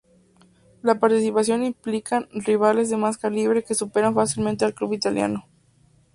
La participación implican rivales de más calibre, que superan fácilmente al club itálico.